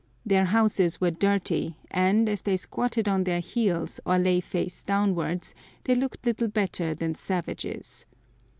Their houses were dirty, and, as they squatted on their heels, or lay face downwards, they looked little better than savages.